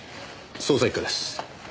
捜査一課です。